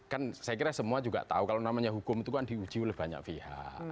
kan saya kira semua juga tahu kalau namanya hukum itu kan diuji oleh banyak pihak